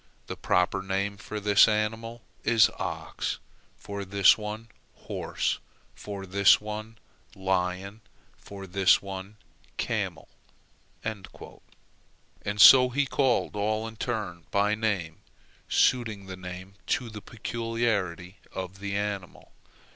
The proper name for this animal is ox, for this one horse, for this one lion, for this one camel." And so he called all in turn by name, suiting the name to the peculiarity of the animal.